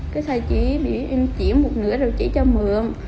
cái thầy chỉ để em chỉ một nửa rồi chỉ cho mượm